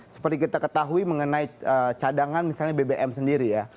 seperti kita ketahui mengenai cadangan misalnya bbm sendiri ya